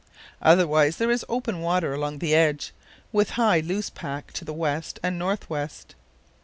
Otherwise there was open water along the edge, with high loose pack to the west and north west.